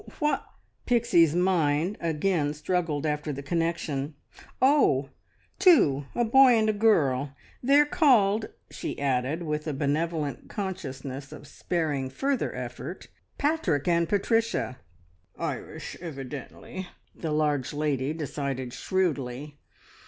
"Wh " Pixie's mind again struggled after the connection. "Oh, two a boy and a girl. They are called," she added, with a benevolent consciousness of sparing further effort, "Patrick and Patricia." "Irish, evidently," the large lady decided shrewdly.